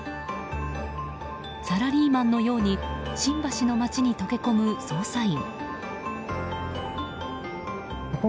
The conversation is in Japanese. サラリーマンのように新橋の街に溶け込む捜査員。